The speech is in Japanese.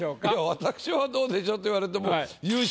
私は「どうでしょう」と言われても。